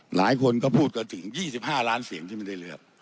หลายคนก็พูดกันถึง๒๕ล้านเสียงที่ไม่ได้เลือก